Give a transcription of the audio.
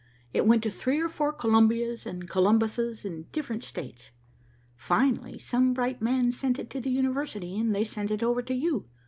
It went to three or four Columbias and Columbus's in different States. Finally some bright man sent it to the University, and they sent it over to you.